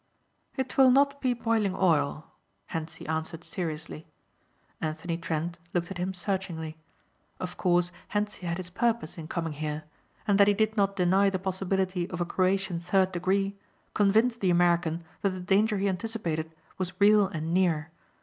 "It will not be boiling oil," Hentzi answered seriously. Anthony Trent looked at him searchingly. Of course Hentzi had his purpose in coming here; and that he did not deny the possibility of a Croatian third degree convinced the American that the danger he anticipated was real and near.